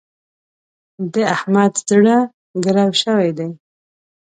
د احمد زړه ګرو شوی دی.